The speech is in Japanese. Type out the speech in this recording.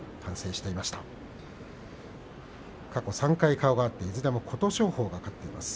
過去３回顔があっていずれも琴勝峰が勝っています。